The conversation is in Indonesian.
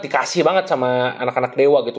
dikasih banget sama anak anak dewa gitu